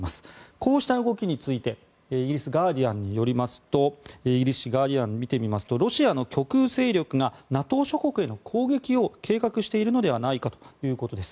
こうした動きについてイギリスガーディアン紙によりますとロシアの極右勢力がＮＡＴＯ諸国への攻撃を計画しているのではないかということです。